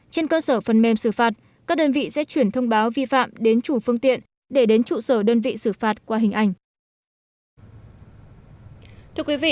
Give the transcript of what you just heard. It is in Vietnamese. trên cơ sở phần mềm xử phạt các đơn vị sẽ chuyển thông báo vi phạm đến chủ phương tiện để đến trụ sở đơn vị xử phạt qua hình ảnh